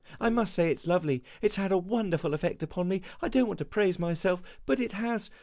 I must say it 's lovely; it 's had a wonderful effect upon me. I don't want to praise myself, but it has.